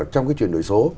trong cái truyền đổi số